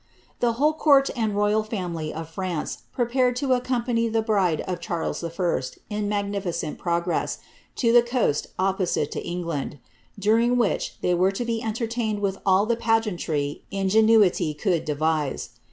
The whole court and royal family of France prepared to accompany the bride of Charles I., in magnificent progress, to the coast opposite to England ; during wHich they were to be entertained with all the pa geantry ingenuity could devise.